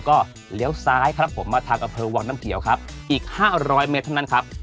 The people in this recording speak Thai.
ก็เลี้ยวซ้ายครับผมมาทางอำเภอวังน้ำเขียวครับอีก๕๐๐เมตรเท่านั้นครับ